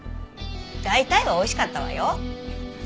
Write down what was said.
大体はおいしかったわよ。